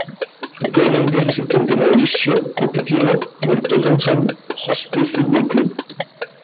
Actualmente es asistente de Mauricio Pochettino en el Tottenham Hotspur Football Club.